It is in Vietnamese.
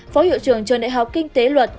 phó hiệu trưởng trường đại học kinh tế luật